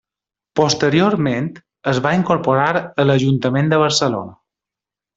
Posteriorment, es va incorporar a l'Ajuntament de Barcelona.